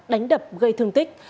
đánh đập gây thương tích